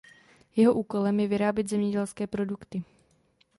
Jeho úkolem je vyrábět zemědělské produkty.